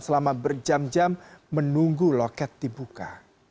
selama berjam jam menunggu loket dibuka